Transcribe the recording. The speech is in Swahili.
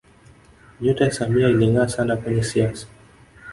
nyota ya samia ilingaa sana kwenye siasa